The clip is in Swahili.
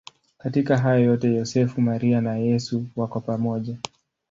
Katika hayo yote Yosefu, Maria na Yesu wako pamoja.